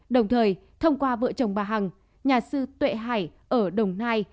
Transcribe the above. đồng thời thông qua vợ chồng bà hằng nhà sư tuệ hải ở đồng nai